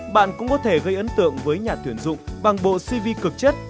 bạn cũng có thể gây ấn tượng với nhà tuyển dụng bằng bộ cv cực chất